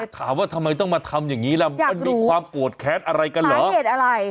ถามว่าทำไมต้องมาทำอย่างนี้ล่ะมันมีความโกรธแค้นอะไรกันเหรอเหตุอะไร